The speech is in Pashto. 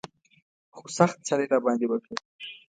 خو سخت چل یې را باندې وکړ.